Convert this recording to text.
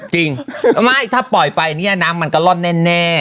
จริงไม่ถ้าปล่อยไปเนี่ยน้ำมันก็ล่อนแน่